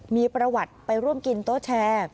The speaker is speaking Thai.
มีประวัติไปร่วมกินโต๊ะแชร์